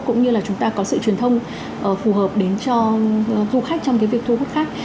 cũng như là chúng ta có sự truyền thông phù hợp đến cho du khách trong cái việc thu hút khách